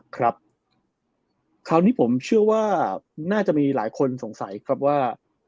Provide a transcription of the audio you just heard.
ครับคราวนี้ผมเชื่อว่าน่าจะมีหลายคนสงสัยครับว่า